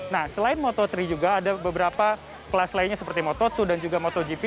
nah selain moto tiga juga ada beberapa kelas lainnya seperti moto dua dan juga motogp